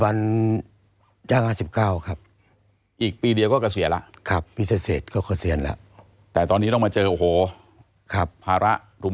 ยาท่าน้ำขาวไทยนครเพราะทุกการเดินทางของคุณจะมีแต่รอยยิ้ม